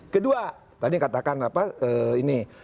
kedua tadi katakan apa ini